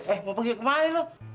eh mau pergi kemana lo